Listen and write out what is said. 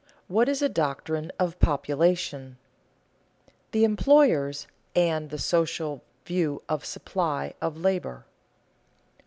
WHAT IS A DOCTRINE OF POPULATION? [Sidenote: The employer's and the social view of supply of labor] 1.